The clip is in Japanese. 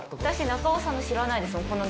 私中尾さんの知らないですもん。